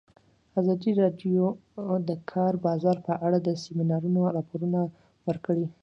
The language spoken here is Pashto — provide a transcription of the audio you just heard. ازادي راډیو د د کار بازار په اړه د سیمینارونو راپورونه ورکړي.